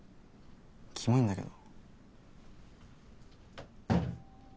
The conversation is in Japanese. キモいんだけど。